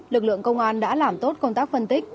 lực lượng công an đã làm tốt công tác phân tích